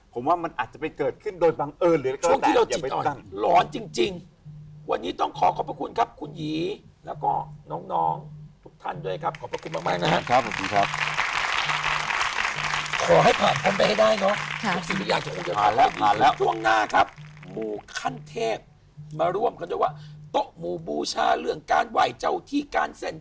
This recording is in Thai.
ผมว่ามันอาจจะจะไปเกิดขึ้นโดยบังเอิญหรือหาก